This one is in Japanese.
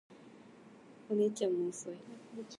弟は起きるのが遅い